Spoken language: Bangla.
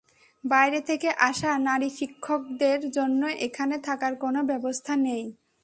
বাইরে থেকে আসা নারী শিক্ষকদের জন্য এখানে থাকার কোনো ব্যবস্থা নেই।